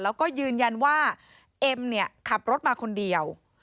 แล้วก็ยืนยันว่าเอ็มเนี่ยขับรถมาคนเดียว